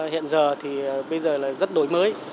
hiện giờ thì bây giờ là rất đổi mới